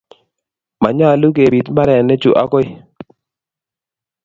Manyalu kebit mbarenichuu agoi